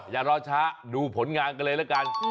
อย่ารอช้าดูผลงานกันเลยละกัน